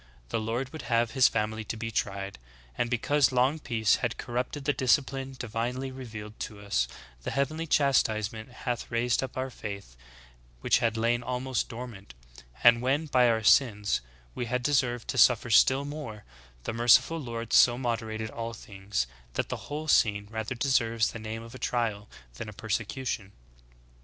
The Lord would have his family to be tried. And because long peace had corrupt ed the discipline divinely revealed to us, the heavenly chas tisement hath raised up our faith, which had lain almost dormant : and when, by our sins, we had deserved to suffer still more, the merciful Lord so moderated all things, that the whole scene rather deserves the name of a trial than a persecution.